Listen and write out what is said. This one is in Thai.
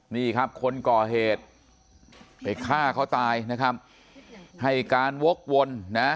นี่ครับคนก่อเหตุไปฆ่าเขาตายนะครับให้การวกวนนะ